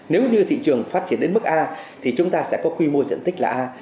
nếu như thị trường phát triển đến mức a thì chúng ta sẽ có quy mô diện tích là a